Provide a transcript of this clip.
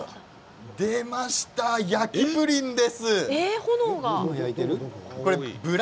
出ました、焼きプリンです。